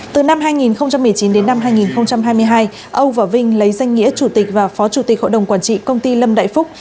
từ năm hai nghìn một mươi chín đến năm hai nghìn hai mươi hai âu và vinh lấy danh nghĩa chủ tịch và phó chủ tịch hội đồng quản trị công ty lâm đại phúc